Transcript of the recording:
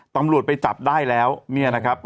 ตำรวจไปจับได้แล้วเนี่ยนะครับ